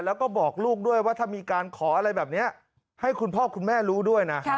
แล้วก็บอกลูกด้วยว่าถ้ามีการขออะไรแบบนี้ให้คุณพ่อคุณแม่รู้ด้วยนะ